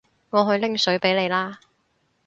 我去拎水畀你啦